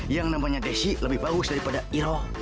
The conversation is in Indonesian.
yang namanya desi lebih bagus daripada iroh